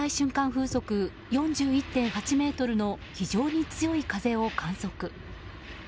風速４１．８メートルの非常に強い風を観測。